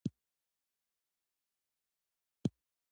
آیا رستورانتونه پاک دي؟